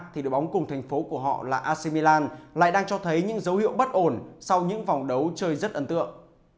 thì đội bóng cùng thành phố của họ là asimilan lại đang cho thấy những dấu hiệu bất ổn sau những vòng đấu chơi rất ấn tượng